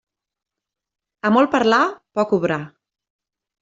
A molt parlar, poc obrar.